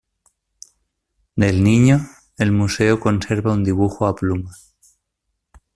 Del niño, el museo conserva un dibujo a pluma.